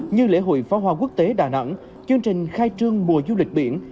như lễ hội pháo hoa quốc tế đà nẵng chương trình khai trương mùa du lịch biển